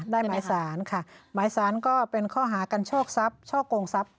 หมายสารค่ะหมายสารก็เป็นข้อหากันโชคทรัพย์ช่อกงทรัพย